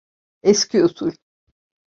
Eski usul.